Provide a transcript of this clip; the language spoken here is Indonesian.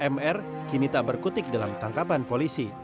mr kini tak berkutik dalam tangkapan polisi